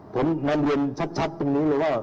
ผมนำเรียนชัดตรงนี้เลยว่า